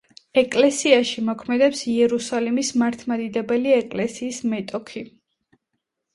ეკლესიაში მოქმედებს იერუსალიმის მართლმადიდებელი ეკლესიის მეტოქი.